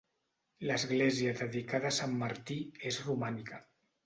L'església dedicada a Sant Martí és romànica.